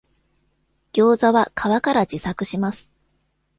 ギョウザは皮から自作します